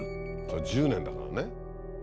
そりゃ１０年だからね。